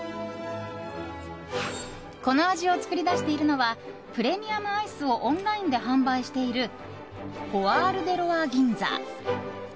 この味を作り出しているのはプレミアムアイスをオンラインで販売しているポアール・デ・ロワＧＩＮＺＡ。